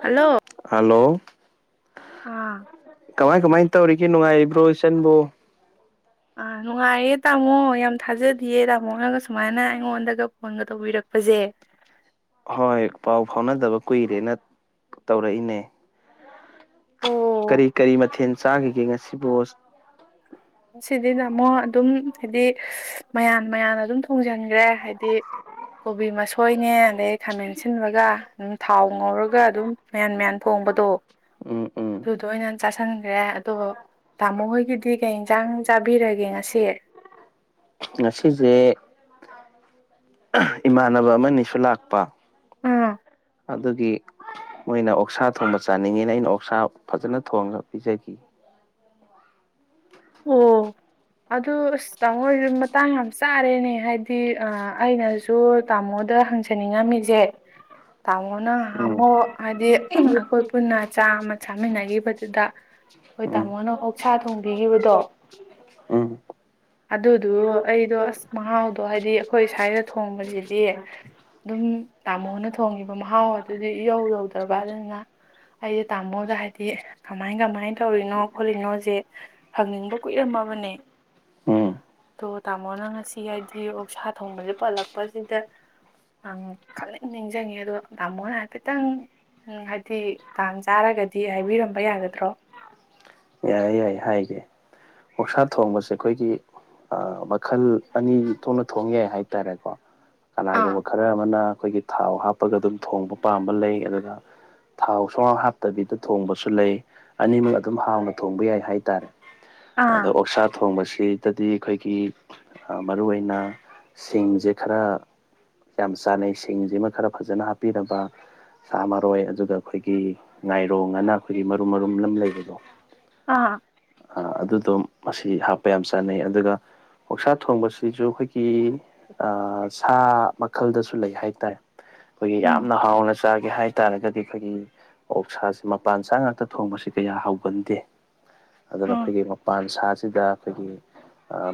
hello hello ꯑꯥ ꯀꯃꯥꯏ ꯀꯃꯥꯏꯅ ꯇꯧꯔꯤꯒꯦ ꯅꯨꯡꯉꯥꯏꯔꯤꯕ꯭ꯔꯣ ꯏꯆꯟꯕꯨꯣ ꯑꯥ ꯅꯨꯡꯉꯥꯏꯌꯦ ꯇꯥꯃꯣ ꯌꯥꯝ ꯊꯥꯖꯗꯌꯦ ꯇꯥꯃꯣ ꯅꯪꯒ ꯁꯨꯃꯥꯏꯅ ꯑꯩꯉꯣꯟꯗꯒ ꯐꯣꯟꯒ ꯇꯧꯕꯤꯔꯛꯄꯁꯦ ꯍꯣꯏ ꯄꯥꯎ ꯐꯥꯎꯅꯗꯕ ꯀꯨꯏꯔꯦꯅ ꯇꯧꯔꯛꯏꯅꯦ ꯀꯔꯤ ꯑꯣ ꯀꯔꯤ ꯃꯊꯦꯜ ꯆꯥꯈꯤꯒꯦ ꯉꯁꯤꯕꯣ ꯁꯤꯗꯗ ꯑꯃꯨꯛ ꯑꯗꯨꯝ ꯍꯥꯏꯗꯤ ꯃꯌꯥꯝ ꯃꯌꯥꯝꯅ ꯑꯗꯨꯝ ꯊꯣꯡꯖꯤꯟꯈ꯭ꯔꯦ ꯍꯥꯏꯗꯤ ꯀꯣꯕꯤ ꯃꯁꯣꯏꯅꯦ ꯑꯗꯩ ꯈꯥꯃꯦꯟ ꯁꯤꯟꯕꯒ ꯑꯗꯨꯝ ꯊꯥꯎ ꯉꯧꯔꯒ ꯑꯗꯨꯝ ꯃꯦꯟ ꯃꯦꯟ ꯊꯣꯡꯕꯗꯣ ꯎꯝ ꯎꯝ ꯑꯗꯨꯗ ꯑꯣꯏꯅ ꯆꯥꯥꯁꯟꯈ꯭ꯔꯦ ꯑꯗꯣ ꯇꯥꯃꯣ ꯍꯣꯏꯒꯤꯗꯤ ꯀꯩ ꯏꯟꯁꯥꯡ ꯆꯥꯕꯤꯔꯒꯦ ꯉꯁꯤ ꯉꯁꯤꯁꯦ ꯏꯃꯥꯟꯅꯕ ꯑꯃꯅꯤꯁꯨ ꯂꯥꯛꯄ ꯑꯥ ꯑꯗꯨꯒꯤ ꯃꯣꯏꯅ ꯑꯣꯛꯁꯥ ꯊꯣꯡꯕ ꯆꯥꯅꯤꯡꯉꯦꯅ ꯑꯩꯅ ꯑꯣꯛꯁꯥ ꯐꯖꯅ ꯊꯣꯡꯉꯒ ꯄꯤꯖꯈꯤ ꯑꯣ ꯑꯗꯨ ꯑꯁ ꯇꯥꯃꯣ ꯍꯁꯨ ꯃꯇꯥꯡ ꯌꯥꯝ ꯆꯥꯔꯦꯅꯦ ꯍꯥꯏꯗꯤ ꯁꯤ ꯑꯩꯅꯁꯨ ꯇꯥꯃꯣꯗ ꯍꯪꯖꯅꯤꯡꯉꯝꯃꯤꯁꯦ ꯇꯥꯃꯣꯅ ꯎꯝ ꯍꯥꯝꯃꯣ ꯍꯥꯏꯗꯤ ꯑꯩꯈꯣꯏ ꯄꯨꯟꯅ ꯆꯥꯃ ꯆꯥꯃꯤꯟꯅꯈꯤꯕꯗꯨꯗ ꯍꯣꯏ ꯎꯝ ꯇꯥꯃꯣꯅ ꯑꯣꯛꯁꯥ ꯊꯣꯡꯕꯤꯈꯤꯕ ꯎꯝ ꯑꯗꯨꯗꯨ ꯑꯩꯗꯣ ꯑꯁ ꯃꯍꯥꯎꯗꯣ ꯍꯥꯏꯗꯤ ꯑꯩꯈꯣꯏ ꯁꯥꯏꯗ ꯊꯣꯡꯕꯁꯤꯗꯤ ꯑꯗꯨꯝ ꯇꯥꯃꯣꯅ ꯊꯣꯡꯤꯕ ꯃꯍꯥꯎ ꯑꯗꯨꯗꯤ ꯏꯍꯧ ꯌꯧꯗ꯭ꯔꯕ ꯑꯩꯁꯦ ꯇꯥꯃꯣꯗ ꯍꯥꯏꯗꯤ ꯀꯃꯥꯏ ꯀꯃꯥꯏꯅ ꯇꯧꯔꯤꯅꯣ ꯈꯣꯠꯂꯤꯅꯣꯁꯦ ꯍꯪꯅꯤꯡꯕ ꯀꯨꯏꯔꯝꯃꯕꯅꯦ ꯎꯝ ꯑꯗꯣ ꯇꯥꯃꯣꯅ ꯉꯁꯤ ꯍꯥꯏꯗꯤ ꯑꯣ ꯁꯥ ꯊꯣꯡꯕꯁꯦ ꯄꯜꯂꯛꯄꯁꯤꯗ ꯪ ꯈꯪꯅꯤꯡ ꯅꯤꯡꯁꯤꯡꯉꯤ ꯑꯗꯣ ꯇꯥꯃꯣꯅ ꯍꯥꯏꯐꯦꯠꯇꯪ ꯍꯥꯏꯗꯤ ꯇꯥꯡ ꯆꯥꯔꯒꯗꯤ ꯍꯥꯏꯕꯤꯔꯝꯕ ꯌꯥꯒꯗ꯭ꯔꯣ ꯌꯥꯏꯦ ꯌꯥꯏ ꯍꯥꯏꯒꯦ ꯃꯛꯁꯥ ꯊꯣꯡꯕꯁꯦ ꯑꯩꯈꯣꯏꯒꯤ ꯃꯈꯜ ꯑꯅꯤ ꯊꯣꯛꯅ ꯊꯣꯡ ꯌꯥꯏ ꯍꯥꯏꯇꯥꯔꯦꯀꯣ ꯑꯥ ꯀꯂꯥꯒꯨꯝꯕꯜ ꯈꯔ ꯑꯃꯅ ꯑꯩꯈꯣꯏꯒꯤ ꯊꯥꯎ ꯍꯥꯞꯄꯒ ꯑꯗꯨꯝ ꯊꯣꯡꯕ ꯄꯥꯝꯕ ꯂꯩ ꯑꯗꯨꯒ ꯊꯥꯎ ꯁꯨꯃꯥꯡ ꯍꯥꯞꯇꯕꯤꯗ ꯊꯣꯡꯕꯁꯨ ꯂꯩ ꯑꯅꯤꯃꯛ ꯑꯗꯨꯝ ꯍꯥꯎꯅ ꯊꯣꯡꯕ ꯌꯥꯏ ꯍꯥꯏꯇꯥꯔꯦ ꯑꯗ ꯑꯥ ꯑꯣꯁꯥꯔ ꯊꯣꯡꯕꯁꯤꯗꯗꯤ ꯑꯩꯈꯣꯏꯒꯤ ꯃꯔꯨ ꯑꯣꯏꯅ ꯁꯤꯡꯁꯦ ꯈꯔ ꯌꯥꯝ ꯆꯥꯟꯅꯩ ꯁꯤꯡꯁꯤꯃ ꯈꯔ ꯐꯖꯅ ꯍꯥꯞꯄꯤꯔꯕ ꯆꯥꯃꯔꯣꯏ ꯑꯗꯨꯒ ꯑꯩꯈꯣꯏ ꯈꯒꯤ ꯉꯥꯏꯔꯣꯡ ꯉꯅ ꯑꯩꯈꯣꯏꯒꯤ ꯃꯔꯨꯝ ꯃꯔꯨꯝ ꯑꯃ ꯂꯩꯕꯗꯣ ꯑꯥ ꯑꯗꯨꯗꯣ ꯃꯁꯤ ꯍꯥꯞꯄ ꯌꯥꯝ ꯆꯥꯅꯩ ꯑꯗꯨꯒ ꯑꯣꯥꯛꯁꯥ ꯊꯣꯡꯕꯁꯤꯁꯨ ꯑꯩꯈꯣꯏꯒꯤ ꯑ ꯁꯥ ꯃꯈꯜꯗꯁꯨ ꯂꯩ ꯍꯥꯏ ꯇꯔꯦ ꯑꯩꯈꯣꯏꯒꯤ ꯎꯝ ꯌꯥꯝꯅ ꯍꯥꯎꯅ ꯆꯥꯒꯦ ꯍꯥꯏꯇꯥꯔꯒꯗꯤ ꯑꯩꯈꯣꯏꯒꯤ ꯑꯣꯛꯁꯁꯤ ꯃꯄꯥꯟ ꯁꯥ ꯉꯥꯛꯇ ꯊꯣꯡꯕꯁꯤ ꯀꯌꯥ ꯍꯧꯥꯎꯒꯟꯗꯦ ꯑꯗꯨꯅ ꯎꯝ ꯑꯩꯈꯣꯏꯒꯤ ꯄꯥꯟ ꯁꯥꯁꯤꯗ ꯑꯩꯈꯣꯏꯒꯤ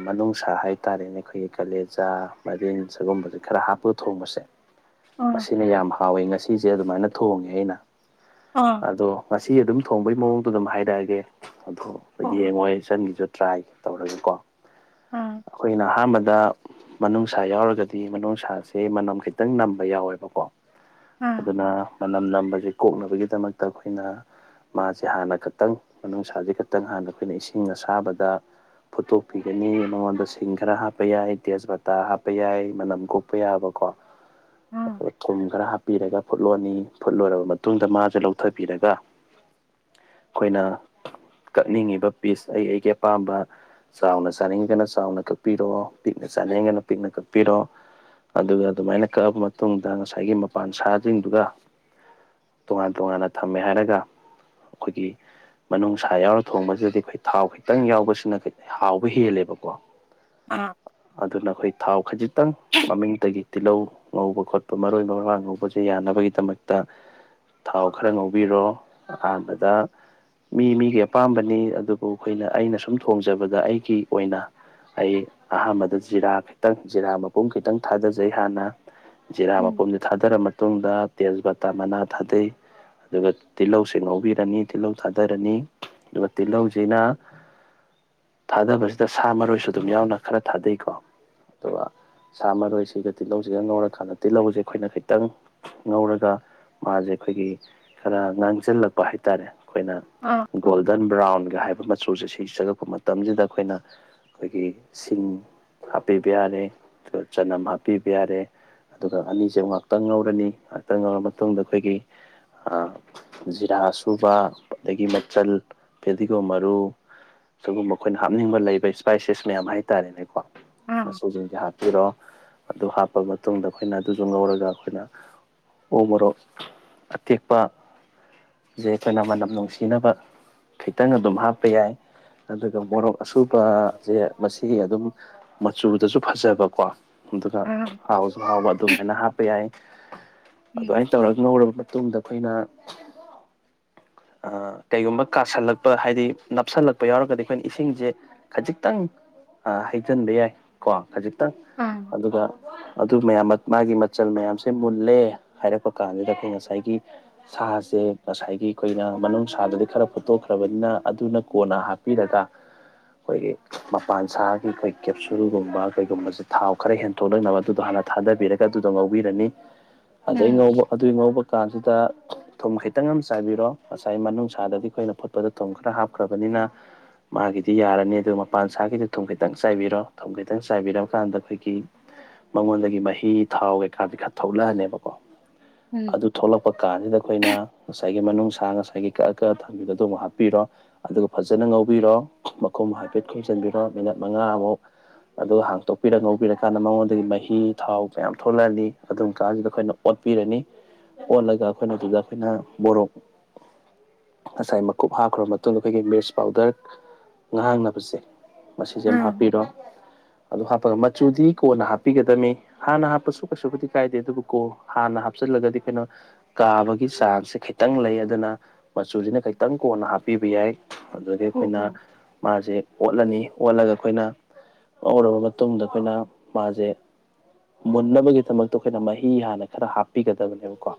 ꯃꯅꯨꯡꯅꯨꯡꯁꯥ ꯍꯥꯏꯇꯥꯔꯦꯅꯦ ꯑꯩꯈꯣꯏꯒꯤ ꯀꯥꯂꯦꯖꯥ ꯃꯔꯤꯟ ꯁꯒꯨꯝꯕꯁꯦ ꯈꯔ ꯍꯥꯞꯄ ꯊꯣꯡꯕꯁꯦ ꯎꯝ ꯃꯁꯤꯅ ꯌꯥꯝ ꯍꯥꯎꯏꯤ ꯉꯁꯤꯁꯦ ꯑꯗꯨꯃꯥꯏꯅ ꯊꯣꯡꯉꯦ ꯑꯩꯅ ꯑ ꯑꯗꯣ ꯉꯁꯤ ꯑꯗꯨꯝ ꯊꯣꯡꯕꯒꯤ ꯃꯑꯣꯡꯗꯣ ꯑꯗꯨꯝ ꯍꯥꯏꯔꯛꯑꯒꯦ ꯑꯗꯣ ꯍꯣꯏ ꯍꯣꯏ ꯌꯦꯡꯉꯣ ꯇꯁꯟꯒꯤꯁꯨ ꯇ꯭ꯔꯥꯏ ꯇꯧꯔꯒꯀꯣ ꯎꯝ ꯑꯩꯈꯣꯏꯅ ꯑꯍꯥꯟꯕꯗ ꯃꯅꯨꯡꯅꯨꯡꯁꯥ ꯌꯥꯎꯔꯒꯗꯤ ꯃꯅꯨꯡꯅꯨꯡꯁꯥꯁꯦ ꯃꯅꯝ ꯈꯤꯇꯪ ꯅꯝꯕ ꯌꯥꯎꯋꯦꯕꯀꯣ ꯎꯝ ꯑꯗꯨꯅ ꯃꯅꯝ ꯅꯕꯁꯤꯦ ꯀꯣꯛꯅꯕꯒꯤꯗꯃꯛꯇ ꯑꯩꯈꯣꯏꯅ ꯃꯥꯁꯦ ꯍꯥꯟꯅ ꯈꯛꯇꯪꯅꯨꯡꯁꯥꯥꯁꯦ ꯈꯛꯇꯪ ꯍꯥꯟꯅ ꯑꯩꯈꯣꯏꯅ ꯏꯁꯤꯡ ꯑꯁꯥꯕꯗ ꯐꯨꯠꯇꯣꯛꯄꯤꯒꯅꯤ ꯃꯉꯣꯟꯗ ꯁꯤꯡ ꯈꯔ ꯍꯥꯞꯄ ꯌꯥꯏ ꯇꯦꯖꯄꯇꯥ ꯍꯥꯞꯄ ꯌꯥꯏ ꯃꯅꯝ ꯀꯣꯛ ꯍꯥꯄ ꯌꯥꯕꯀꯣ ꯎꯝ ꯑꯗꯨꯒ ꯀꯨꯝ ꯈꯔ ꯍꯥꯞꯄꯤꯔꯒ ꯐꯨꯠꯂꯣꯅꯤ ꯐꯨꯠꯂꯣꯏꯔꯕ ꯃꯇꯨꯡ ꯃꯇꯨꯡꯗ ꯃꯥꯁꯦ ꯂꯧꯊꯕꯤꯔꯒ ꯑꯩꯈꯣꯏꯅ ꯀꯛꯅꯤꯡꯉꯤꯕ ꯄꯤꯁ ꯑꯩ ꯑꯩꯒꯤ ꯑꯄꯥꯝꯕ ꯆꯥꯎꯅ ꯆꯥꯅꯤꯡꯒꯅ ꯆꯥꯎꯅ ꯀꯛꯄꯤꯔꯣ ꯄꯤꯛꯅ ꯆꯥꯅꯤꯡꯒꯅ ꯄꯤꯛꯅ ꯀꯛꯄꯤꯔꯣ ꯑꯗꯨꯒ ꯑꯗꯨꯃꯥꯏꯅ ꯀꯛꯑꯕ ꯃꯇꯨꯡꯗ ꯉꯁꯥꯏꯒꯤ ꯃꯄꯥꯟ ꯁꯥꯁꯤꯡꯁꯤꯡꯗꯨꯒ ꯇꯣꯉꯥꯟ ꯇꯣꯉꯥꯟꯅ ꯊꯝꯃꯦ ꯍꯥꯏꯔꯒ ꯑꯩꯈꯣꯏꯒꯤ ꯃꯅꯨꯡꯁꯥ ꯌꯥꯎꯔ ꯊꯣꯡꯕꯁꯤꯗꯗꯤ ꯑꯩꯈꯣꯏ ꯊꯥꯎ ꯈꯤꯇꯪ ꯌꯥꯎꯕꯁꯤꯅ ꯍꯥꯎꯕ ꯍꯦꯜꯂꯦꯕꯀꯣ ꯑꯥ ꯑꯗꯨꯅ ꯑꯩꯈꯣꯏ ꯊꯥꯎ ꯈꯖꯤꯛꯇꯪ ꯃꯃꯤꯡꯇꯒꯤ ꯇꯤꯜꯍꯧ ꯉꯧꯕ ꯈꯣꯠꯄ ꯃꯔꯣꯏ ꯃꯔꯥꯡ ꯉꯧꯕꯁꯦ ꯌꯥꯅꯕꯒꯤꯗꯃꯛꯇ ꯊꯥꯎ ꯈꯔ ꯉꯧꯕꯤꯔꯣ ꯑꯍꯥꯟꯕꯗ ꯃꯤ ꯃꯤꯒꯤ ꯑꯄꯥꯝꯕꯅꯤ ꯑꯗꯨꯕꯨ ꯑꯩꯈꯣꯏꯅ ꯑꯩꯅ ꯁꯨꯝ ꯊꯣꯡꯖꯕꯗ ꯑꯩꯒꯤ ꯑꯣꯏꯅ ꯑꯩ ꯑꯍꯥꯟꯕꯗ ꯖꯤꯔꯥ ꯈꯤꯇꯪ ꯖꯤꯔꯥ ꯃꯄꯨꯝ ꯈꯤꯇꯪ ꯊꯥꯗꯖꯩ ꯍꯥꯟꯅ ꯖꯤꯦꯔꯥ ꯎꯝ ꯃꯄꯨꯝꯁꯤ ꯊꯥꯗꯔ ꯃꯇꯨꯡꯗ ꯇꯦꯖꯄꯇꯥ ꯃꯅꯥ ꯊꯥꯗꯩ ꯑꯗꯨꯒ ꯇꯤꯜꯍꯧꯁꯤꯡ ꯉꯧꯕꯤꯔꯅꯤ ꯇꯤꯜꯍꯧ ꯊꯥꯗꯔꯅꯤ ꯑꯗꯨꯒ ꯇꯤꯜꯍꯧꯁꯤꯅ ꯊꯥꯗꯕꯁꯤꯗ ꯁꯥ ꯃꯔꯣꯏꯁꯨ ꯑꯗꯨꯝ ꯌꯥꯎꯅ ꯈꯔ ꯊꯥꯗꯩꯀꯣ ꯑꯗꯨꯒ ꯁꯥ ꯃꯔꯣꯏꯁꯤꯒ ꯇꯤꯜꯍꯧꯁꯤꯒ ꯉꯧꯔꯀꯥꯟꯗ ꯇꯤꯜꯍꯧꯁꯦ ꯑꯩꯈꯣꯏꯅ ꯈꯤꯇꯪ ꯉꯧꯔꯒ ꯃꯥꯁꯦ ꯑꯩꯈꯣꯏꯒꯤ ꯈꯔ ꯉꯥꯡꯁꯤꯜꯂꯛꯄ ꯍꯥꯏꯇꯥꯔꯦ ꯑꯩꯈꯣꯏꯅ ꯑꯥ ꯒꯣꯜꯗꯟ ꯕ꯭ꯔꯥꯎꯟꯒ ꯍꯥꯏꯕ ꯃꯆꯨꯁꯦ ꯁꯤ ꯆꯪꯉꯛꯄ ꯃꯇꯝꯁꯤꯗ ꯑꯩꯈꯣꯏꯅ ꯑꯩꯈꯣꯏꯒꯤ ꯁꯤꯡ ꯍꯥꯞꯄꯤꯕ ꯌꯥꯔꯦ ꯑꯗꯨꯒ ꯆꯅꯝ ꯍꯥꯞꯄꯤꯕ ꯌꯥꯔꯦ ꯑꯗꯨꯒ ꯑꯅꯤꯁꯦ ꯉꯍꯥꯛꯇꯪ ꯉꯧꯔꯅꯤ ꯉꯥꯏꯍꯥꯛꯇꯪ ꯉꯧꯔ ꯃꯇꯨꯡꯗ ꯑꯩꯈꯣꯏꯒꯤ ꯖꯤꯔꯥ ꯁꯨꯕ ꯑꯗꯒꯤ ꯃꯆꯜ ꯐꯦꯗꯤꯒꯣꯝ ꯃꯔꯨ ꯁꯤꯒꯨꯝꯕ ꯑꯩꯈꯣꯏꯅ ꯍꯥꯞꯅꯤꯡꯕ ꯂꯩꯕ ꯏꯁꯄꯥꯏꯁꯤꯁ ꯃꯌꯥꯝ ꯍꯥꯏꯇꯥꯔꯦꯅꯦꯀꯣ ꯑꯥ ꯁꯤꯖꯤꯡꯁꯦ ꯍꯥꯞꯄꯤꯔꯣ ꯑꯗꯨ ꯍꯥꯞꯄ ꯃꯇꯨꯡꯗ ꯑꯩꯈꯣꯏꯅ ꯑꯗꯨꯗꯨ ꯉꯧꯔꯒ ꯑꯩꯈꯣꯏꯅ ꯎꯃꯣꯔꯣꯛ ꯑꯇꯦꯛꯄ ꯖꯦ ꯑꯩꯈꯣꯏꯅ ꯃꯅꯝ ꯅꯨꯡꯁꯤꯅꯕ ꯈꯤꯇꯪ ꯑꯗꯨꯝ ꯍꯥꯞꯄ ꯌꯥꯏ ꯑꯗꯨꯒ ꯃꯣꯔꯣꯛ ꯑꯁꯨꯕꯁꯦ ꯃꯁꯤ ꯑꯗꯨꯝ ꯃꯆꯨꯗꯁꯨ ꯐꯖꯕꯀꯣ ꯑꯗꯨꯒ ꯑꯥ ꯍꯥꯎ ꯍꯥꯎꯕ ꯑꯗꯨꯃꯥꯏꯅ ꯍꯥꯞꯄ ꯌꯥꯏ ꯎꯝ ꯑꯗꯥꯢ ꯉꯧꯔꯕ ꯃꯇꯨꯡꯗ ꯑꯩꯈꯣꯏꯅ ꯑ ꯀꯩꯒꯨꯝꯕ ꯀꯥꯁꯜꯂꯛꯄ ꯍꯥꯏꯗꯤ ꯅꯞꯁꯜꯂꯛꯄ ꯌꯥꯎꯔꯒꯗꯤ ꯑꯩꯈꯣꯏꯅ ꯏꯁꯤꯡꯁꯦ ꯈꯖꯤꯛꯇꯪ ꯑ ꯍꯩꯖꯤꯟꯕ ꯌꯥꯏ ꯀꯣ ꯈꯖꯤꯛꯇꯪ ꯑꯥꯡ ꯑꯗꯨꯒ ꯑꯗꯨ ꯃꯌꯥꯝ ꯃꯥꯒꯤ ꯃꯆꯜ ꯃꯌꯥꯝꯁꯦ ꯃꯨꯜꯂꯦ ꯍꯥꯏꯔꯛꯄ ꯀꯥꯟꯗꯨꯗ ꯑꯩꯈꯣꯏ ꯉꯁꯥꯏꯒꯤ ꯁꯥꯁꯦ ꯉꯁꯥꯏꯒꯤ ꯑꯩꯈꯣꯏꯅ ꯃꯅꯨꯡ ꯁꯥꯗꯗꯤ ꯈꯔ ꯐꯣꯠꯇꯣꯛꯈ꯭ꯔꯕꯅꯤꯅ ꯑꯗꯨꯅ ꯀꯣꯟꯅ ꯍꯥꯞ ꯄꯤꯔꯒ ꯑꯩꯈꯣꯏꯒꯤ ꯃꯄꯥꯟ ꯁꯥꯒꯤ ꯑꯩꯈꯣꯏ ꯀꯦꯞꯁꯨꯜꯒꯨꯝꯕ ꯀꯩꯒꯨꯝꯕꯁꯦ ꯊꯥꯎ ꯈꯔ ꯍꯦꯟ ꯊꯣꯛꯂꯛꯅꯕ ꯑꯗꯨꯗꯣ ꯍꯥꯟꯅ ꯊꯥꯗꯕꯤꯔꯒ ꯑꯗꯨꯗꯣ ꯉꯧꯕꯤꯔꯅꯤ ꯎꯝ ꯑꯗꯩ ꯎꯝ ꯉꯧꯕ ꯑꯗꯨꯏ ꯉꯧꯕ ꯀꯥꯟꯁꯤꯗ ꯊꯨꯝ ꯈꯤꯇꯪ ꯑꯃ ꯆꯥꯏꯕꯤꯔꯣ ꯉꯁꯥꯏ ꯃꯅꯨꯡꯁꯥꯗꯒꯤ ꯑꯩꯈꯣꯏꯅ ꯐꯨꯠꯄꯗ ꯊꯨꯝ ꯈꯔ ꯍꯥꯞꯈ꯭ꯔꯕꯅꯤꯅ ꯃꯥꯒꯤꯗꯤ ꯌꯥꯔꯅꯤ ꯑꯗꯨꯒ ꯃꯄꯥꯟ ꯁꯥꯒꯤꯗꯤ ꯊꯨꯝ ꯈꯤꯇꯪ ꯆꯥꯏꯕꯤꯔꯣ ꯊꯨꯝ ꯈꯤꯇꯪ ꯆꯥꯏꯕꯤꯔꯀꯥꯟꯗ ꯑꯩꯈꯣꯏꯒꯤ ꯃꯉꯣꯟꯗꯒꯤ ꯃꯍꯤ ꯊꯥꯎ ꯀꯩꯀꯥꯗꯤ ꯈꯔ ꯊꯣꯛꯂꯛꯑꯅꯦꯕꯀꯣ ꯎꯝ ꯑꯗꯨ ꯊꯣꯛꯂꯛꯄ ꯀꯥꯟꯁꯤꯗ ꯑꯩꯈꯣꯏꯅ ꯉꯁꯥꯏꯒꯤ ꯃꯅꯨꯡꯁꯥ ꯉꯁꯥꯏꯒꯤ ꯀꯛꯑ ꯀꯛꯑ ꯊꯝꯕꯤꯕ ꯑꯗꯨ ꯑꯃꯨꯛ ꯍꯥꯞꯄꯤꯔꯣ ꯑꯗꯨꯒ ꯐꯖꯅ ꯉꯧꯕꯤꯔꯣ ꯃꯈꯨꯝ ꯍꯥꯏꯐꯦꯠ ꯈꯨꯝꯖꯤꯟꯕꯤꯔꯣ ꯃꯤꯅꯠ ꯃꯉꯥꯃꯨꯛ ꯑꯗꯨꯒ ꯍꯥꯡꯇꯣꯛꯄꯤꯔ ꯉꯧꯕꯤꯔꯀꯥꯟꯗ ꯃꯉꯣꯟꯗꯒꯤ ꯃꯍꯤ ꯊꯥꯎ ꯀꯌꯥꯝ ꯊꯣꯛꯂꯛꯑꯅꯤ ꯑꯗꯨꯝ ꯀꯥꯟꯁꯤꯗ ꯑꯩꯈꯣꯏꯅ ꯑꯣꯠ ꯄꯤꯔꯅꯤ ꯑꯣꯠꯂꯒ ꯑꯩꯈꯣꯏꯅ ꯑꯗꯨꯗ ꯑꯩꯈꯣꯏꯅ ꯃꯣꯔꯣꯛ ꯉꯁꯥꯏ ꯃꯀꯨꯞ ꯍꯥꯞꯈ꯭ꯔꯕ ꯃꯇꯨꯡꯗ ꯑꯩꯈꯣꯏꯒꯤ ꯃꯤꯔꯆ ꯄꯥꯎꯗꯔ ꯉꯥꯡꯅꯕꯁꯦ ꯃꯁꯤꯖꯤꯝ ꯑꯥ ꯍꯥꯞꯄꯤꯔꯣ ꯑꯗꯨ ꯍꯥꯞꯄꯒ ꯃꯆꯨꯗꯤ ꯀꯣꯟꯅ ꯍꯥꯞꯄꯤꯒꯗꯅꯤ ꯍꯥꯟꯅ ꯍꯥꯞꯄꯁꯨ ꯀꯩꯁꯨꯕꯨꯗꯤ ꯀꯥꯏꯗꯦ ꯑꯗꯨꯕꯨ ꯀꯣ ꯍꯥꯟꯅ ꯍꯥꯞꯆꯤꯜꯂꯒꯗꯤ ꯀꯩꯅꯣ ꯀꯥꯕꯒꯤ ꯎꯝ ꯆꯥꯟꯁꯁꯦ ꯈꯤꯇꯪ ꯂꯩ ꯑꯗꯨꯅ ꯃꯆꯨꯁꯤꯅ ꯈꯤꯇꯪ ꯀꯣꯟꯅ ꯍꯥꯞꯄꯤꯕ ꯌꯥꯏ ꯑꯗꯨꯗꯒꯤ ꯍꯣ ꯑꯩꯈꯣꯏꯅ ꯍꯣ ꯃꯥꯁꯦ ꯑꯣꯠꯂꯅꯤ ꯑꯣꯠꯂꯒ ꯑꯩꯈꯣꯏꯅ ꯉꯧꯔꯕ ꯃꯇꯨꯡꯗ ꯑꯩꯈꯣꯏꯅ ꯃꯥꯁꯦ ꯃꯨꯟꯅꯕꯒꯤꯗꯃꯛꯇ ꯑꯩꯈꯣꯏꯅ ꯃꯍꯤ ꯍꯥꯟꯅ ꯈꯔ ꯍꯥꯞꯄꯤꯒꯗꯕꯅꯦꯕꯀꯣ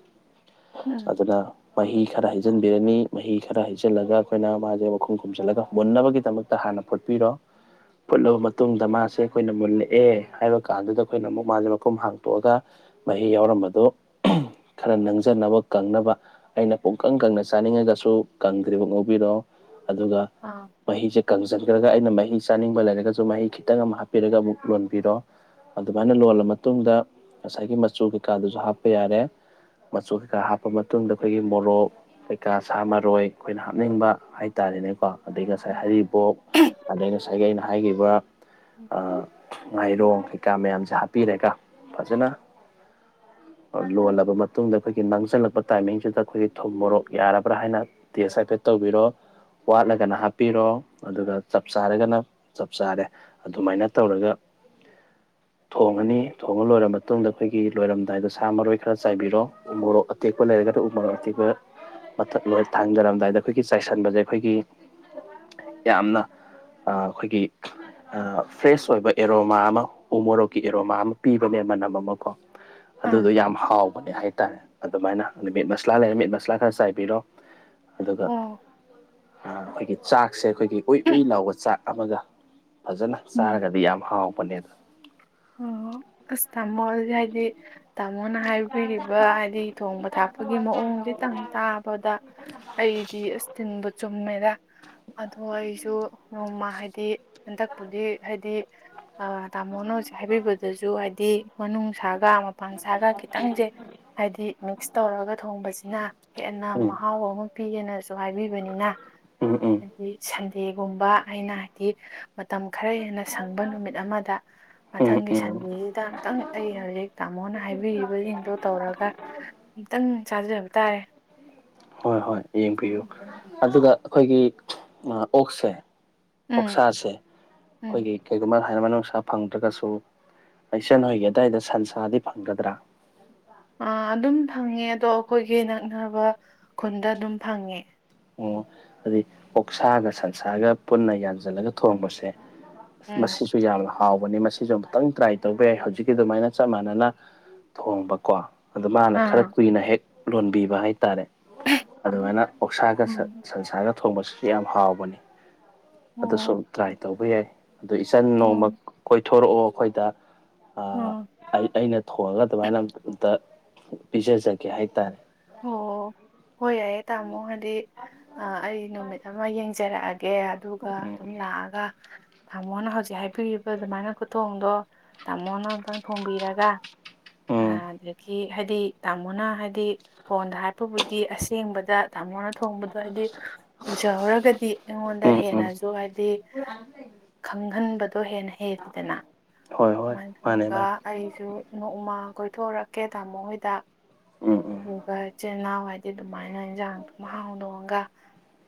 ꯎꯝ ꯑꯗꯨꯅ ꯃꯍꯤ ꯈꯔ ꯍꯩꯖꯤꯟꯕꯤꯔꯅꯤ ꯃꯍꯤ ꯈꯔ ꯍꯩꯖꯤꯜꯂꯒ ꯑꯩꯈꯣꯏꯅ ꯃꯥꯁꯦ ꯃꯈꯨꯝ ꯈꯨꯝꯁꯤꯜꯂꯒ ꯃꯨꯟꯅꯕꯒꯤꯗꯃꯛꯇ ꯇ ꯍꯥꯟꯅ ꯐꯨꯠꯄꯤꯔꯣ ꯐꯨꯠꯂꯕ ꯃꯇꯨꯡꯗ ꯃꯥꯁꯦ ꯑꯩꯈꯣꯏꯅ ꯃꯨꯜꯂꯛꯑꯦ ꯍꯥꯏꯕ ꯀꯥꯟꯗꯨꯗ ꯑꯩꯈꯣꯏꯅ ꯑꯃꯨꯛ ꯃꯥꯁꯦ ꯃꯈꯨꯝ ꯍꯥꯡꯇꯣꯛꯑꯒ ꯃꯍꯤ ꯌꯥꯎꯔꯝꯕꯗꯨ ꯈꯔ ꯅꯪꯖꯅꯕ ꯀꯪꯅꯕ ꯑꯩꯅ ꯄꯨꯡꯀꯪ ꯀꯪꯅ ꯆꯥꯅꯤꯡꯉꯒꯁꯨ ꯀꯪꯗ꯭ꯔꯤꯕ ꯉꯧꯕꯤꯔꯣ ꯑꯗꯨꯒ ꯑꯥ ꯃꯍꯤꯁꯦ ꯀꯪꯁꯤꯟꯈ꯭ꯔꯒ ꯑꯩꯅ ꯃꯍꯤ ꯆꯥꯅꯤꯡꯕ ꯂꯩꯔꯒꯁꯨ ꯃꯍꯤ ꯈꯤꯇꯪ ꯑꯃ ꯍꯥꯞꯄꯤꯔꯒ ꯑꯃꯨꯛ ꯂꯣꯟꯕꯤꯔꯣ ꯑꯗꯨꯃꯥꯏꯅ ꯂꯣꯜꯂ ꯃꯇꯨꯡꯗ ꯉꯁꯥꯏꯒꯤ ꯃꯆꯨ ꯀꯩꯀꯥꯗꯨꯁꯨ ꯍꯥꯞꯄ ꯌꯥꯔꯦ ꯃꯆꯨ ꯀꯩꯀꯥ ꯍꯥꯞꯄ ꯃꯇꯨꯡꯗ ꯑꯩꯈꯣꯏꯒꯤ ꯃꯣꯔꯣꯛ ꯀꯩꯀꯥ ꯁꯥ ꯃꯔꯣꯏ ꯑꯩꯈꯣꯏꯅ ꯍꯥꯞꯅꯤꯡꯕ ꯍꯥꯏꯇꯥꯔꯦꯅꯦꯀꯣ ꯑꯗꯗꯒꯤ ꯉꯁꯥꯏ ꯎꯝ ꯍꯔꯤꯕꯣꯛ ꯑꯗꯗꯒꯤ ꯉꯁꯥꯏꯒꯤ ꯑꯩꯅ ꯍꯥꯏꯈꯤꯕ ꯎꯝ ꯉꯥꯏꯔꯣꯡ ꯀꯩꯀꯥ ꯃꯌꯥꯝꯁꯦ ꯍꯥꯞꯄꯤꯔꯒ ꯐꯖꯅ ꯂꯣꯜꯂꯕ ꯃꯇꯨꯡꯗ ꯑꯩꯈꯣꯏꯒꯤ ꯅꯥꯡꯁꯤꯜꯂꯛꯄ ꯇꯥꯏꯃꯤꯡꯁꯤꯗ ꯑꯩꯈꯣꯏꯒꯤ ꯊꯨꯝ ꯃꯣꯔꯣꯛ ꯌꯥꯔꯕ꯭ꯔꯥ ꯍꯥꯏꯅ ꯇꯦꯁ ꯍꯥꯏꯐꯦꯠ ꯇꯧꯕꯤꯔꯣ ꯋꯥꯠꯂꯒꯅ ꯍꯥꯞꯄꯤꯔꯣ ꯑꯗꯨꯒ ꯆꯞ ꯆꯥꯔꯒꯅ ꯆꯞ ꯆꯥꯔꯦ ꯑꯗꯨꯃꯥꯏꯅ ꯇꯧꯔꯒ ꯊꯣꯡꯉꯅꯤ ꯊꯣꯡꯉ ꯂꯣꯏꯔꯕ ꯃꯇꯨꯡꯗ ꯑꯩꯈꯣꯏꯒꯤ ꯂꯣꯏꯔꯝꯗꯥꯏꯗ ꯁꯥ ꯃꯔꯣꯏ ꯈꯔ ꯆꯥꯏꯕꯤꯔꯣ ꯎ ꯃꯣꯔꯣꯛ ꯑꯇꯦꯛꯄ ꯂꯩꯔꯒ ꯎ ꯃꯣꯔꯣꯛ ꯑꯇꯦꯛꯄ ꯃꯊ ꯊꯥꯡꯖꯔꯝꯗꯥꯏꯗ ꯑꯩꯈꯣꯏꯒꯤ ꯆꯥꯏꯁꯤꯟꯕꯁꯦ ꯑꯩꯈꯣꯏꯒꯤ ꯌꯥꯝꯅ ꯑꯩꯈꯣꯏꯒꯤ ꯐ꯭ꯔꯦꯁ ꯑꯣꯏꯕ ꯑꯦꯔꯣꯃꯥ ꯑꯃ ꯎ ꯃꯣꯔꯣꯛꯀꯤ ꯑꯦꯔꯣꯃꯥ ꯑꯃ ꯄꯤꯕꯅꯦ ꯃꯅꯝ ꯑꯃ ꯀꯣ ꯑꯗꯨꯗꯣ ꯑꯥ ꯌꯥꯝ ꯍꯥꯎꯕꯅꯦ ꯍꯥꯏꯇꯥꯔꯦ ꯑꯗꯨꯃꯥꯏꯅ ꯑꯗꯨ ꯃꯤꯠ ꯃꯁꯂꯥ ꯎꯝ ꯂꯩꯔꯦ ꯃꯤꯠ ꯃꯁꯂꯥ ꯈꯔ ꯆꯥꯏꯕꯤꯔꯣ ꯑꯗꯨꯒ ꯑꯣ ꯑꯩꯈꯣꯏꯒꯤ ꯆꯥꯛꯁꯦ ꯑꯩꯈꯣꯏꯒꯤ ꯎꯏ ꯎꯏ ꯅꯥꯎꯕ ꯆꯥꯛ ꯑꯃꯒ ꯐꯖꯅ ꯎꯝ ꯆꯥꯔꯒꯗꯤ ꯌꯥꯝ ꯍꯥꯎꯕꯅꯦ ꯑꯗꯨ ꯑꯣ ꯑꯁꯇꯃꯣ ꯌꯥꯗꯤ ꯇꯥꯃꯣꯅ ꯍꯥꯏꯕꯤꯔꯤꯕ ꯍꯥꯏꯗꯤ ꯊꯣꯡꯕ ꯊꯥꯛꯄꯒꯤ ꯃꯑꯣꯡꯁꯇꯪ ꯇꯥꯕꯗ ꯑꯩꯗꯤ ꯑꯁꯇꯤꯟꯕ ꯆꯨꯝꯃꯦꯔ ꯑꯗꯣ ꯑꯩꯁꯨ ꯅꯣꯡꯃ ꯍꯥꯏꯗꯤ ꯍꯟꯗꯛꯄꯨꯗꯤ ꯍꯥꯏꯗꯤ ꯑ ꯇ ꯃꯣꯅ ꯍꯥꯏꯕꯤꯕꯗꯁꯨ ꯍꯥꯏꯗꯤ ꯃꯅꯨꯡ ꯁꯥꯒ ꯃꯄꯥꯟ ꯁꯥꯒ ꯈꯤꯇꯪꯁꯦ ꯍꯥꯏꯗꯤ ꯃꯤꯛꯁ ꯇꯧꯔꯒ ꯊꯣꯡꯕꯁꯤꯅ ꯍꯦꯟꯅ ꯎꯝ ꯃꯍꯥꯎ ꯑꯃ ꯄꯤꯒꯦꯅꯁꯨ ꯍꯥꯏꯕꯤꯕꯅꯤꯅ ꯎꯝ ꯎꯝ ꯍꯥꯏꯗꯤ ꯁꯟꯗꯦꯒꯨꯝꯕ ꯑꯩꯅ ꯍꯥꯏꯗꯤ ꯃꯇꯝ ꯈꯔ ꯍꯦꯟꯅ ꯁꯪꯕ ꯅꯨꯃꯤꯠ ꯑꯃꯗ ꯎꯝ ꯃꯊꯪꯒꯤ ꯎꯝ ꯁꯟꯗꯦꯁꯤꯗ ꯈꯤꯇꯪ ꯑꯩ ꯍꯧꯖꯤꯛ ꯇꯥꯃꯣꯅ ꯍꯥꯏꯕꯤꯔꯤꯕꯁꯤꯡꯗꯣ ꯇꯧꯔꯒ ꯇꯪ ꯆꯥꯖꯕ ꯇꯥꯔꯦ ꯍꯣꯏ ꯍꯣꯏ ꯌꯦꯡꯕꯤꯌꯨ ꯎꯝ ꯑꯗꯨꯒ ꯑꯩꯈꯣꯏꯒꯤ ꯑꯣꯛꯁꯦ ꯄꯛꯁꯥꯁꯦ ꯎꯝ ꯑꯩꯈꯣꯏꯒꯤ ꯀꯩꯒꯨꯝꯕ ꯍꯥꯏꯥꯟꯅ ꯅꯨꯡꯁꯥ ꯐꯪꯗ꯭ꯔꯒꯁꯨ ꯏꯆꯟ ꯍꯣꯏꯒꯤ ꯑꯗꯨꯋꯥꯏꯗ ꯁꯟꯁꯥꯗꯤ ꯐꯪꯒꯗ꯭ꯔꯥ ꯑ ꯑꯗꯨꯝ ꯐꯪꯉꯦ ꯑꯗꯣ ꯑꯩꯈꯣꯏꯒꯤ ꯅꯛꯅꯕ ꯈꯨꯟꯗ ꯑꯗꯨꯝ ꯐꯪꯉꯦ ꯑꯣ ꯑꯗꯨꯗꯤ ꯑꯣꯛꯁꯥꯒ ꯁꯟꯁꯥꯒ ꯄꯨꯟꯅ ꯌꯥꯟꯁꯤꯜꯂꯒ ꯊꯣꯡꯕꯁꯦ ꯎꯝ ꯃꯁꯤꯁꯨ ꯌꯥꯝ ꯍꯥꯎꯕꯅꯤ ꯃꯁꯤꯁꯨ ꯑꯃꯨꯛꯇꯪ ꯇ꯭ꯔꯥꯏ ꯇꯧꯕ ꯌꯥꯏ ꯍꯧꯖꯤꯛꯀꯤ ꯑꯗꯨꯃꯥꯏꯅ ꯆꯞ ꯃꯥꯟꯅꯅ ꯊꯣꯡꯕꯀꯣ ꯑꯗ ꯃꯥꯅ ꯈꯔ ꯑꯥ ꯀꯨꯏꯅ ꯍꯦꯛ ꯂꯣꯟꯕꯤꯕ ꯍꯥꯏꯇꯥꯔꯦ ꯑꯗꯨꯃꯥꯏꯅ ꯑꯣꯛꯁꯥꯒ ꯎꯝ ꯁꯟꯁꯥꯔꯒ ꯊꯣꯡꯕꯁꯤꯁꯨ ꯌꯥꯝ ꯍꯥꯎꯕꯅꯤ ꯑꯗꯨꯁꯨ ꯑꯣ ꯇ꯭ꯔꯥꯏ ꯇꯧꯕ ꯌꯥꯏ ꯑꯗꯨ ꯏꯆꯟ ꯑꯣ ꯅꯣꯡꯃ ꯀꯣꯏꯊꯣꯔꯛꯑꯣ ꯑꯩꯈꯣꯏꯗ ꯑꯥ ꯑꯩ ꯑꯩꯅ ꯊꯣꯡꯉꯒ ꯑꯗꯨꯃꯥꯏꯅ ꯑ ꯑꯝꯇ ꯄꯤꯖꯖꯒꯦ ꯍꯥꯏꯇꯥꯔꯦ ꯑꯣ ꯍꯣꯏ ꯌꯥꯏꯑꯦ ꯇꯥꯃꯣ ꯍꯥꯏꯗꯤ ꯑꯩ ꯅꯨꯃꯤꯠ ꯑꯃ ꯌꯦꯡꯖꯔꯛꯑꯒꯦ ꯀꯦ ꯑꯗꯨꯒ ꯎꯝ ꯑꯗꯨꯝ ꯂꯥꯛꯑꯒ ꯇꯥꯃꯣꯅ ꯍꯧꯖꯤꯛ ꯍꯥꯏꯕꯤꯔꯤꯕ ꯑꯗꯨꯃꯥꯏꯅ ꯈꯨꯊꯣꯡꯗꯣ ꯇꯥꯃꯣꯅ ꯑꯃꯨꯛꯇꯪ ꯊꯣꯡꯕꯤꯔꯒ ꯎꯝ ꯑꯗꯒꯤ ꯍꯥꯏꯗꯤ ꯇꯥꯃꯣꯅ ꯍꯥꯏꯗꯤ ꯐꯣꯟꯗ ꯍꯥꯏꯔꯞꯄꯕꯨꯗꯤ ꯑꯁꯦꯡꯕꯗ ꯇꯥꯃꯣꯅ ꯊꯣꯡꯕꯗꯣ ꯍꯥꯏꯗꯤ ꯎꯖꯍꯧꯔꯒꯗꯤ ꯑꯩꯉꯣꯟꯗ ꯗ ꯎꯝ ꯎꯝ ꯍꯦꯟꯅꯁꯨ ꯍꯥꯏꯕꯗꯤ ꯈꯪꯍꯟꯕꯗꯣ ꯍꯦꯟꯅ ꯍꯦꯜꯜꯂꯤ ꯁꯤꯗꯅ ꯍꯣꯏ ꯍꯣꯏ ꯑꯗꯨꯃꯥꯏꯅ ꯃꯥꯅꯦ ꯇꯧꯔꯒ ꯃꯥꯅꯦ ꯑꯩꯁꯨ ꯅꯣꯡꯃꯥ ꯀꯣꯏꯊꯣꯛꯣꯔꯛꯀꯦ ꯇꯥꯃꯣ ꯍꯣꯏꯗ ꯎꯝ ꯎꯝ ꯑꯗꯨꯒ ꯏꯆꯤꯜ ꯏꯅꯥꯎ ꯍꯥꯏꯗꯤ ꯑꯗꯨꯃꯥꯏꯅ ꯏꯟꯁꯥꯡ ꯑꯗꯨꯝ ꯍꯥꯎꯗꯣꯛꯑꯒ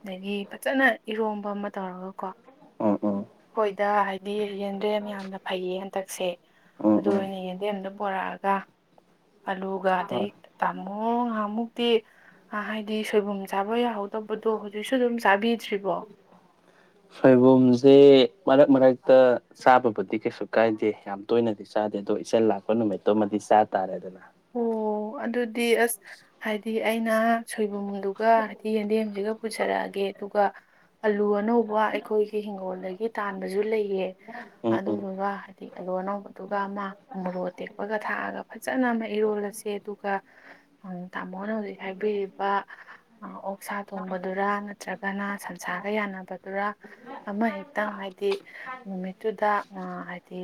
ꯑꯗꯒꯤ ꯐꯖꯅ ꯏꯔꯣꯝꯕ ꯑꯃ ꯇꯧꯔꯒꯀꯣ ꯎꯝ ꯎꯝ ꯍꯣꯏꯗ ꯍꯥꯏꯗꯤ ꯌꯦꯟꯗ꯭ꯔꯦꯝ ꯌꯥꯝꯅ ꯐꯩꯌꯦ ꯍꯟꯗꯛꯁꯦ ꯎꯝ ꯑꯗꯨ ꯎꯝ ꯑꯣꯏꯅ ꯌꯦꯟꯗꯦꯝꯗ ꯄꯣꯔꯛꯑꯒ ꯑꯂꯨꯒ ꯍꯣꯏ ꯑꯗꯩ ꯇꯥꯃꯣ ꯉꯍꯥꯃꯨꯛꯇꯤ ꯑꯥ ꯍꯥꯏꯗꯤ ꯁꯣꯏꯕꯨꯝ ꯆꯥꯕ ꯌꯥꯍꯧꯗꯕꯗꯣ ꯍꯧꯖꯤꯛꯁꯨ ꯑꯗꯨꯝ ꯆꯥꯕꯤꯗ꯭ꯔꯤꯕꯣ ꯁꯣꯏꯕꯨꯝꯖꯦ ꯃꯔꯛ ꯃꯔꯛꯇ ꯆꯥꯕꯕꯨꯗꯤ ꯀꯩꯁꯨ ꯀꯥꯏꯗꯦ ꯌꯥꯝ ꯇꯣꯏꯅꯗꯤ ꯆꯥꯗꯦ ꯑꯗꯣ ꯏꯆꯟ ꯂꯥꯛꯄ ꯅꯨꯃꯤꯠꯇꯨꯃꯗꯤ ꯆꯥ ꯇꯥꯔꯦꯗꯅ ꯑꯣ ꯑꯗꯨꯗꯤ ꯑꯁ ꯍꯥꯏꯗꯤ ꯑꯩꯅ ꯁꯣꯏꯕꯨꯝꯗꯨꯒ ꯍꯥꯏꯗꯤ ꯌꯦꯟꯗꯦꯝꯁꯤꯒ ꯄꯨꯖꯔꯛꯑꯒꯦ ꯑꯗꯨꯒ ꯑꯂꯨ ꯑꯅꯧꯕ ꯑꯩꯈꯣꯏꯒꯤ ꯍꯤꯡꯒꯣꯜꯗꯒꯤ ꯇꯥꯟꯕꯁꯨ ꯂꯩꯌꯦ ꯎꯝ ꯎꯝ ꯑꯗꯨꯗꯨꯒ ꯍꯥꯏꯗꯤ ꯑꯂꯨ ꯑꯅꯧꯕꯗꯨꯒ ꯑꯃ ꯃꯣꯔꯣꯛ ꯑꯇꯦꯛꯄꯒ ꯊꯥꯛꯑꯒ ꯐꯖꯅ ꯏꯔꯣꯜꯂꯁꯦ ꯑꯗꯨꯒ ꯇꯥꯃꯣꯅ ꯍꯧꯖꯤꯛ ꯍꯥꯏꯕꯤꯔꯤꯕ ꯑꯣꯛ ꯁꯥ ꯊꯣꯡꯕꯗꯨꯔ ꯅꯠꯇ꯭ꯔꯒꯅ ꯁꯟꯁꯥꯒ ꯌꯥꯟꯅꯕꯗꯨꯔ ꯑꯃꯍꯦꯛꯇꯪ ꯍꯥꯏꯗꯤ ꯅꯨꯃꯤꯠꯇꯨꯗ ꯍꯥꯏꯗꯤ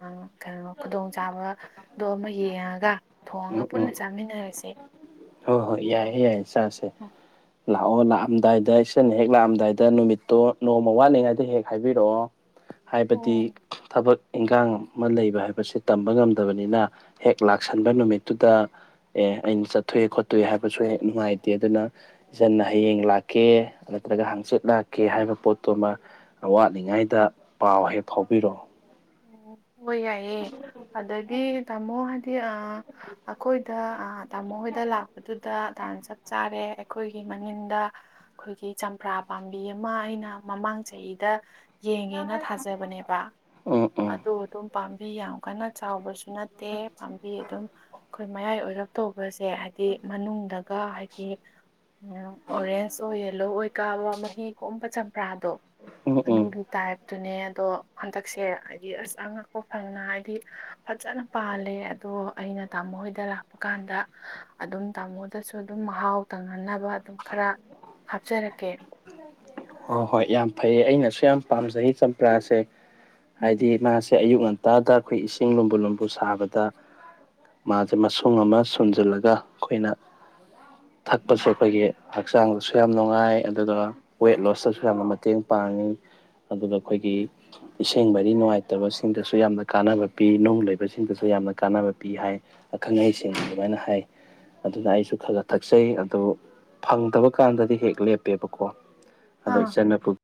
ꯑꯥ ꯀꯩꯅꯣ ꯈꯨꯗꯣꯡ ꯆꯥꯕꯗꯣ ꯑꯃ ꯌꯦꯡꯉꯒ ꯊꯣꯡꯉꯒ ꯎꯝ ꯄꯨꯟꯅ ꯆꯥꯃꯤꯟꯅꯔꯁꯦ ꯑ ꯍꯣꯏ ꯌꯥꯏꯌꯦ ꯌꯥꯏꯌꯦ ꯆꯥꯁꯦ [unintelligible] ꯂꯥꯛꯑꯣ ꯂꯥꯛꯑꯝꯗꯥꯏꯗ ꯏꯆꯟꯅ ꯍꯦꯛ ꯂꯥꯛꯑꯝꯗꯥꯏꯗ ꯅꯨꯃꯤꯠꯇꯣ ꯅꯣꯡꯃ ꯋꯥꯠꯂꯤꯉꯩꯗ ꯍꯦꯛ ꯍꯥꯏꯕꯤꯔꯛꯑꯣ ꯍꯥꯏꯕꯗꯤ ꯑꯣ ꯊꯕꯛ ꯏꯟꯒꯥꯡ ꯑꯃ ꯂꯩꯕ ꯍꯥꯏꯕꯁꯤ ꯇꯝꯕ ꯉꯝꯗꯕꯅꯤꯅ ꯍꯦꯛ ꯂꯥꯛꯁꯟꯕ ꯅꯨꯃꯤꯠꯇꯨꯗ ꯑꯦ ꯑꯩꯅ ꯆꯠꯊꯣꯛꯑꯦ ꯈꯣꯠꯇꯣꯛ ꯑꯦ ꯍꯥꯏꯕꯁꯨ ꯍꯦꯛ ꯅꯨꯡꯉꯥꯏꯇꯦ ꯑꯗꯨꯅ ꯆꯟꯅ ꯍꯌꯦꯡ ꯂꯥꯛꯀꯦ ꯅꯠꯇ꯭ꯔꯒ ꯍꯥꯡꯆꯤꯠ ꯂꯥꯛꯀꯦ ꯍꯥꯏꯕ ꯄꯣꯠꯇꯨꯃ ꯋꯥꯠꯂꯤꯉꯩꯗ ꯄꯥꯎ ꯍꯦꯛ ꯐꯥꯎꯕꯤꯔꯛꯑꯣ ꯑꯣ ꯍꯣꯏ ꯌꯥꯏꯌꯦ ꯑꯗꯒꯤ ꯇꯥꯃꯣ ꯍꯥꯏꯗꯤ ꯑ ꯑꯩꯈꯣꯏꯗ ꯑ ꯇꯥꯃꯣ ꯍꯣꯏꯗ ꯂꯥꯛꯄꯗꯨꯗ ꯇꯥꯟ ꯆꯞ ꯆꯥꯔꯦ ꯑꯩꯈꯣꯏꯒꯤ ꯃꯅꯤꯡꯗ ꯑꯩꯈꯣꯏꯒꯤ ꯆꯝꯄ꯭ꯔꯥ ꯄꯥꯝꯕꯤ ꯑꯃ ꯑꯩꯅ ꯃꯃꯥꯡ ꯆꯍꯤꯗ ꯌꯦꯡꯒꯦꯅ ꯊꯥꯖꯕꯅꯦꯕ ꯎꯝ ꯎꯝ ꯑꯗꯨ ꯑꯗꯨꯝ ꯄꯥꯝꯕꯤ ꯌꯥꯝ ꯀꯟꯅ ꯆꯥꯎꯕꯁꯨ ꯅꯠꯇꯦ ꯄꯥꯝꯕꯤ ꯑꯗꯨꯝ ꯑꯩꯈꯣꯏ ꯃꯌꯥꯏ ꯑꯣꯏꯔꯞ ꯇꯧꯕꯁꯦ ꯍꯥꯏꯗꯤ ꯃꯅꯨꯡꯗꯒ ꯍꯥꯏꯗꯤ ꯎꯝ ꯑꯣꯔꯦꯟꯖ ꯑꯣꯏ ꯌꯦꯂꯣ ꯑꯣꯏ ꯀꯥꯕ ꯃꯍꯤ ꯀꯣꯝꯕ ꯆꯝꯄ꯭ꯔꯥꯗꯣ ꯎꯝ ꯎꯝ ꯑꯗꯨꯒꯤ ꯇꯥꯏꯞꯇꯨꯅꯦ ꯑꯗꯣ ꯍꯟꯗꯛꯁꯦ ꯍꯥꯏꯗꯤ ꯑꯁ ꯑꯉꯛꯄ ꯐꯪꯅ ꯍꯥꯏꯗꯤ ꯐꯖꯅ ꯄꯥꯜꯂꯦ ꯑꯗꯣ ꯑꯩꯅ ꯇꯥꯃꯣ ꯍꯣꯏꯗ ꯂꯥꯛꯄ ꯀꯥꯟꯗ ꯑꯗꯨꯝ ꯇꯥꯃꯣꯗꯁꯨ ꯑꯗꯨꯝ ꯃꯍꯥꯎ ꯇꯪꯍꯟꯅꯕ ꯑꯗꯨꯝ ꯈꯔ ꯍꯥꯞꯆꯔꯛꯀꯦ ꯍꯣ ꯍꯣꯏ ꯌꯥꯝ ꯐꯩꯌꯦ ꯑꯩꯅꯁꯨ ꯌꯥꯝ ꯄꯥꯝꯖꯩ ꯆꯝꯄꯔꯥꯁꯦ ꯎꯝ ꯍꯥꯏꯗꯤ ꯃꯥꯁꯦ ꯑꯌꯨꯛ ꯉꯟ ꯇꯥꯗ ꯑꯩꯈꯣꯏ ꯏꯁꯤꯡ ꯂꯨꯝꯕꯨ ꯂꯨꯝꯕꯨ ꯁꯥꯕꯗ ꯃꯥꯖꯦ ꯃꯁꯨꯡ ꯑꯃ ꯁꯨꯝꯖꯤꯜꯂꯒ ꯑꯩꯈꯣꯏꯅ ꯊꯛꯄꯁꯨ ꯑꯩꯈꯣꯏꯒꯤ ꯍꯛꯆꯥꯡꯗꯁꯨ ꯌꯥꯝ ꯅꯨꯡꯉꯥꯏ ꯑꯗꯨꯒ ꯋꯦꯠ ꯂꯣꯁꯠ ꯁꯨ ꯌꯥꯝꯅ ꯃꯇꯦꯡ ꯄꯥꯡꯉꯤ ꯑꯗꯨꯒ ꯑꯩꯈꯣꯏꯒꯤ ꯏꯁꯤꯡ ꯃꯔꯤ ꯅꯨꯡꯉꯥꯏꯇꯕꯁꯤꯡꯗꯁꯨ ꯌꯥꯝꯅ ꯀꯥꯟꯅꯕ ꯄꯤ ꯅꯨꯡ ꯂꯩꯕꯁꯤꯡꯗꯁꯨ ꯌꯥꯝꯅ ꯀꯥꯟꯅꯕ ꯄꯤ ꯍꯥꯏ ꯑꯈꯪ ꯑꯍꯩꯁꯤꯡ ꯑꯗꯨꯃꯥꯏꯅ ꯍꯥꯏ ꯑꯗꯨꯅ ꯑꯩꯁꯨ ꯈꯒ ꯊꯛꯆꯩ ꯑꯗꯣ ꯐꯪꯗꯕ ꯀꯥꯟꯗꯗꯤ ꯍꯦꯛ ꯂꯦꯞꯄꯦꯕꯀꯣ ꯑꯗꯣ ꯑꯥ ꯏꯆꯟꯅ ꯄꯨ